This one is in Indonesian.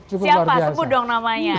luar biasa siapa sebut dong namanya